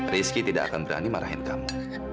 rizky tidak akan berani marahin kamu